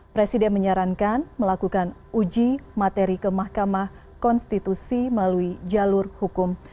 presiden menyarankan melakukan uji materi ke mahkamah konstitusi melalui jalur hukum